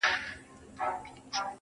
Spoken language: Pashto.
خبرېږم زه راته ښېراوي كوې,